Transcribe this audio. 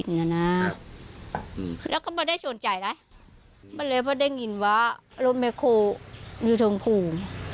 ใช่แล้วก็พาได้โชนจ่ายละปราเลฟรัฐได้งินว่ารถแมคโฮอยู่ท่องภูมิ